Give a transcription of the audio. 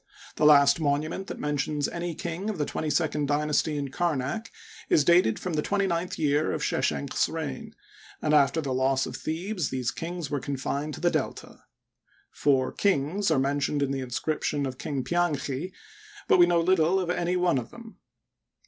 The last monument that mentions any king of the twenty second dynasty in Karnak is dated from the twenty ninth year of Sheshenq's reign ; and after the loss of Thebes these kings were confined to the Delta. Four " kings " are mentioned in the inscrip tion of King Pianchi, but we know little of any one of them.